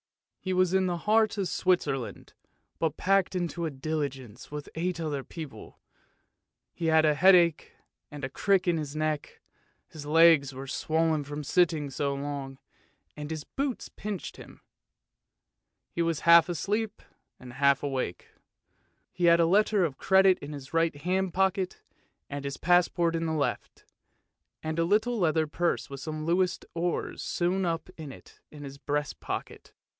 He was in the heart of Switzerland, but packed into a diligence with eight other people. He had a headache and a crick in his neck, his legs were swollen from sitting so long, and his boots pinched him. He was half asleep and half awake. He had a letter of credit in his right hand pocket, and his passport in the left, and a little leather purse with some Louis d'Ors sewn up in it in his breast pocket.